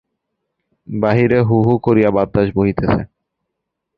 বাহিরে হুহু করিয়া বাতাস বহিতেছে।